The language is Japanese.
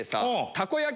たこ焼き